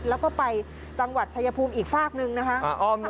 แล้วก็ไปจังหวัดชายภูมิอีกฝากหนึ่งนะคะ